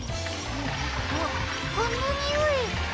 あっこのにおい。